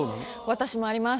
私もあります。